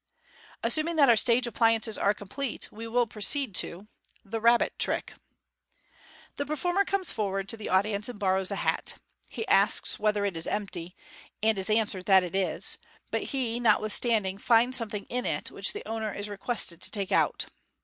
Assuming that our stage appliances are complete, we will pro* ceed to — The Rabbit Trick. — The performer comes forward to the audience, and borrows a hat. He asks whether it is empty, and is answered that it isj but he, notwithstanding, finds something in it, which the owner is requested to take out.